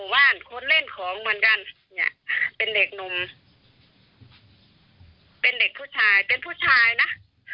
เป็นเด็กผู้ชายเป็นผู้ชายนะ